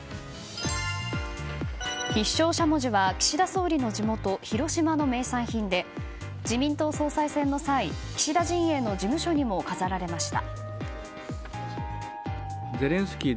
必勝しゃもじは岸田総理の地元・広島の名産品で自民党総裁選の際岸田陣営の事務所にも飾られました。